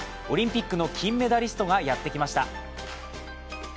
オリンピックの金メダリストがやってきました。